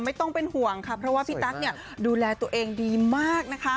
ไม่ต้องเป็นห่วงเพราะว่าพี่ตั๊กดูแลตัวเองดีมาก